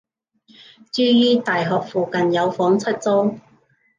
注意！大學附近有房出租